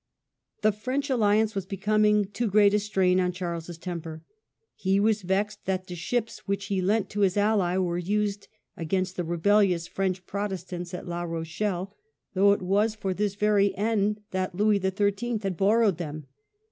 The French alliance was becoming too great a strain on .Charles's temper. He was vexed that the ships which War with be lent to his ally were used against the re France. 1637. bellious French Protestants at La Rochelle, though it was for this very end that Louis XHL had borrowed them.